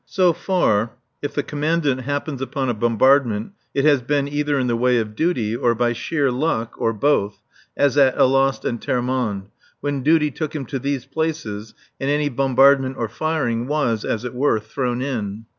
So far, if the Commandant happens upon a bombardment it has been either in the way of duty, or by sheer luck, or both, as at Alost and Termonde, when duty took him to these places, and any bombardment or firing was, as it were, thrown in.